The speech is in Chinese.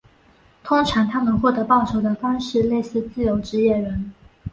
通常他们获得报酬的方式类似自由职业人。